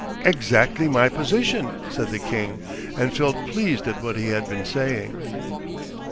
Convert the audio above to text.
'Exactly my position,' said the king, and felt pleased at what he had been saying.